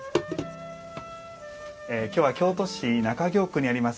今日は京都市中京区にあります